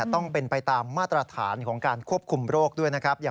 ต้องเป็นไปตามมาตรฐานของการควบคุมโรคด้วยนะครับ